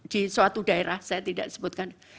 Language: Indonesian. di suatu daerah saya tidak sebutkan